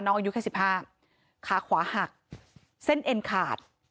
น้องอายุแค่สิบห้าขาขวาหักเส้นเอ็นขาด